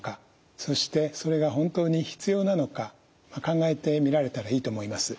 そしてそれが本当に必要なのか考えてみられたらいいと思います。